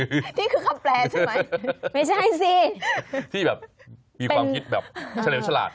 ก็คือที่คือคำแปลใช่ไหมที่แบบมีความคิดแบบชะเลวชะลาด